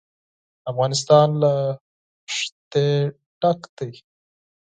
افغانستان له ښتې ډک دی.